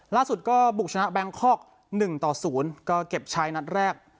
ล่าสุดก็บุกชนะแบงคอก๑ต่อ๐ก็เก็บใช้นัดแรก